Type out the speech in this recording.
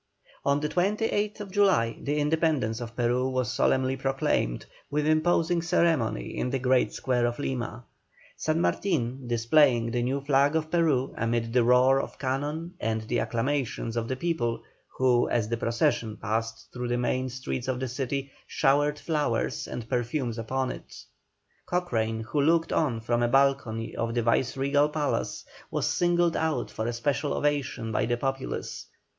On the 28th July the independence of Peru was solemnly proclaimed with imposing ceremony in the great square of Lima, San Martin displaying the new flag of Peru, amid the roar of cannon and the acclamations of the people who, as the procession passed through the main streets of the city, showered flowers and perfumes upon it. Cochrane, who looked on from a balcony of the viceregal palace, was singled out for a special ovation by the populace.